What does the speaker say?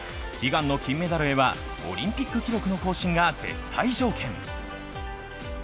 悲願の金メダルへはオリンピック記録の更新が絶対条件。